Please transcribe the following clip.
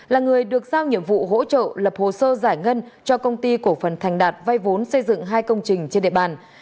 là người được giao nhiệm vụ hỗ trợ lập hồ sơ giải ngân cho công ty cổ phần thành đạt vay vốn xây dựng hai công trình trên địa bàn